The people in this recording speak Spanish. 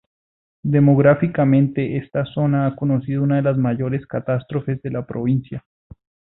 Demográficamente esta zona ha conocido una de las mayores catástrofes de la provincia.